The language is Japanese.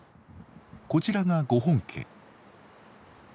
こちらがご本家。